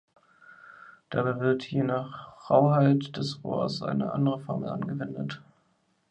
Dabei wird je nach Rauheit des Rohrs eine andere Formel angewendet.